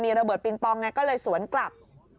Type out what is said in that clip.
ระเบิดปิงปองไงก็เลยสวนกลับ